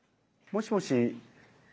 もしもし。